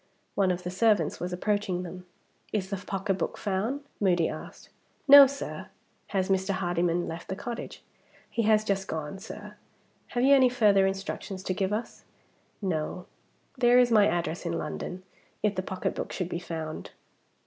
One of the servants was approaching them. "Is the pocketbook found?" Moody asked. "No, sir." "Has Mr. Hardyman left the cottage?" "He has just gone, sir. Have you any further instructions to give us?" "No. There is my address in London, if the pocketbook should be found."